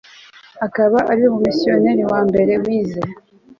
akaba ari we mumisiyonari wa mbere wize